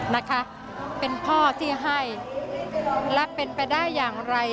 และเป็นไปได้อย่างไร